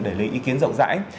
để lấy ý kiến rộng rãi